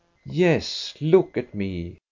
*' Yes, look at me !